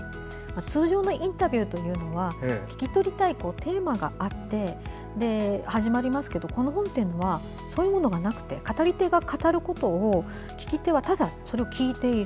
通常のインタビューというのは聞き取りたいテーマがあって始まりますけどこの本にはそういうものがなくて語り手が語ることを聞き手はただそれを聞いている。